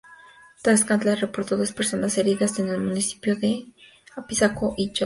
Tlaxcala reportó dos personas heridas en los municipios de Apizaco y Chiautempan.